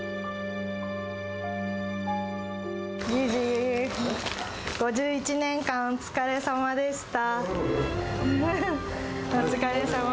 じぃじ、５１年間お疲れさまでした。